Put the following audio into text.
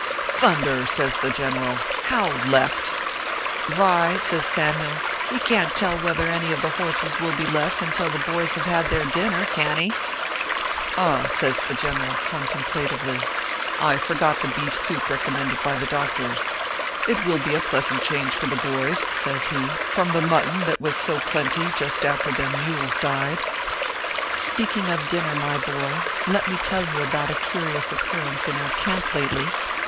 " Thunder !" says the General. " How left ?"" Vy," says Samyule, " he can t tell whether any horses will be left until tho boys have had their din ner, can he 1" "Ah !" says the General, contemplatively, "I for got the beef soup recommended by the doctors. It will be a pleasant change for the boys," says he, "from the mutton that was so plenty just after them mules died." Speaking of dinner, my boy ; let me tell you about a curious occurrence in our camp lately.